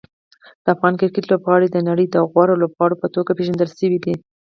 د افغان کرکټ لوبغاړي د نړۍ د غوره لوبغاړو په توګه پېژندل شوي دي.